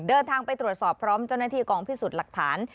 เดินทางไปตรวจสอบพร้อมเจ้าหน้าที่กองพิสูจน์หลักฐาน